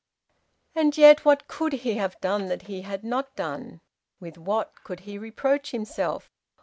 And yet what could he have done that he had not done? With what could he reproach himself?